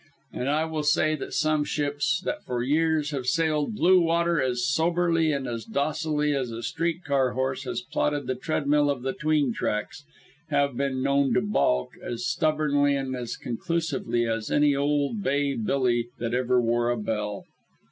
And I will say that some ships that for years have sailed blue water as soberly and as docilely as a street car horse has plodded the treadmill of the 'tween tracks, have been known to balk, as stubbornly and as conclusively as any old Bay Billy that ever wore a bell.